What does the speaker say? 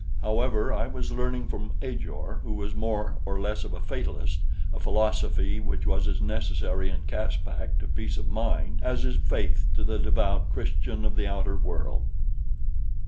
However, I was learning from Ajor, who was more or less of a fatalist, a philosophy which was as necessary in Caspak to peace of mind as is faith to the devout Christian of the outer world.